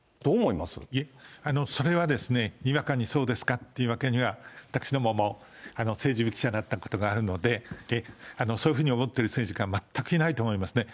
いや、それはですね、にわかにそうですかっていうわけには、私どもも政治部記者だったことがあるので、そういうふうに思ってる政治家、全くいないと思いますね。